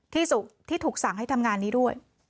ที่ถูกสั่งให้ทำงานนี้ด้วย